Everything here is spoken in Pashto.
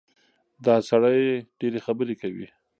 دا سړی ډېرې خبرې کوي.